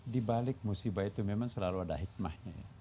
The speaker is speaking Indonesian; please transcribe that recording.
di balik musibah itu memang selalu ada hikmahnya